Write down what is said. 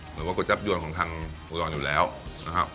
เหมือนกุจับยวนของทางอุรัณอยู่แล้วนะครับ